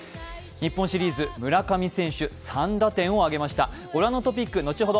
日本シリーズ、村上選手が３打点を上げました。